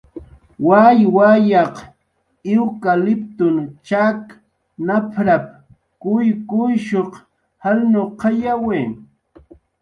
"Wawyaq iwkatliptun chak nap""rap"" kuyyush jalnuqayawi"